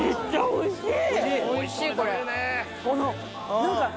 おいしい！